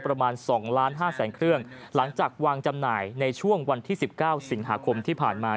ประมาณ๒ล้านห้าแสนเครื่องหลังจากวางจำหน่ายในช่วงวันที่๑๙สิงหาคมที่ผ่านมา